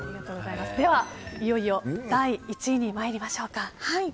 では、いよいよ第１位に参りましょうか。